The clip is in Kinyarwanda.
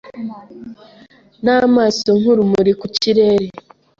N'amaso nk'urumuri ku kirere